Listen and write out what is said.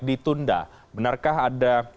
ditunda benarkah ada